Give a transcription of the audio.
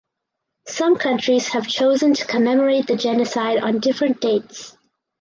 Some countries have chosen to commemorate the genocide on different dates.